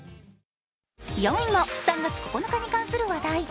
４位も３月９日に関する話題。